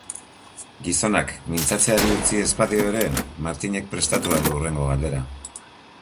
Gizonak mintzatzeari utzi ez badio ere, Martinek prestatua du hurrengo galdera.